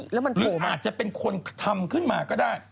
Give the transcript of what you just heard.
หรืออาจจะเป็นคนทำขึ้นมาก็ได้